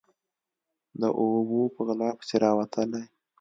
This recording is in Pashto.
_د اوبو په غلا پسې راوتلی.